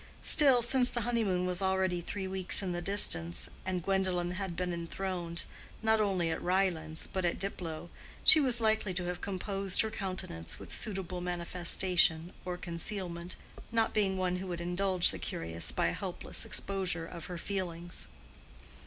Still, since the honeymoon was already three weeks in the distance, and Gwendolen had been enthroned, not only at Ryelands, but at Diplow, she was likely to have composed her countenance with suitable manifestation or concealment, not being one who would indulge the curious by a helpless exposure of her feelings.